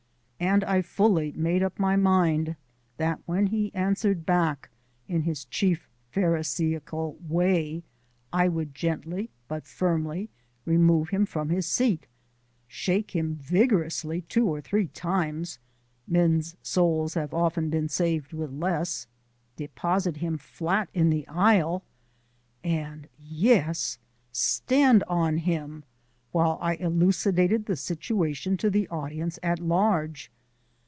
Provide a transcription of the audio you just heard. And I fully made up my mind that when he answered back in his chief pharisaical way I would gently but firmly remove him from his seat, shake him vigorously two or three times (men's souls have often been saved with less!), deposit him flat in the aisle, and yes stand on him while I elucidated the situation to the audience at large.